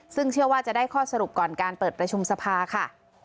ซึ่งเชื่อว่าจะได้ข้อสรุปก่อนการเปิดประชุมสภาค่ะ